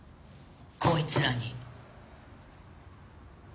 こいつらに。